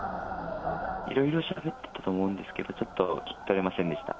いろいろしゃべってたと思うんですけれども、ちょっと聞き取れませんでした。